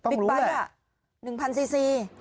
ีปั๊ตร๑๐๐๐ซีสี